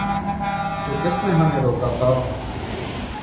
تو کس نے ہمیں روکا تھا؟